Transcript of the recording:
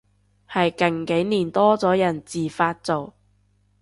係近幾年多咗人自發做